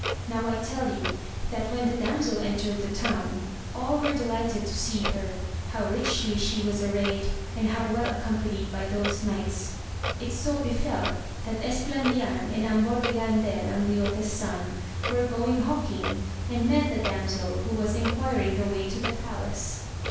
Now I tell you that when the damsel entered the town, all were delighted to see her, how richly she was arrayed, and how well accompanied by those knights. It so befell that Es plandian and Ambor de Gandel Angriote's son, were going hawking, and met the damsel, who was enquiring the way to the palace.